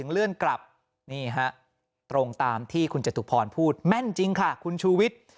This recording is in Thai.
เลื่อนกลับนี่ฮะตรงตามที่คุณจตุพรพูดแม่นจริงค่ะคุณชูวิทย์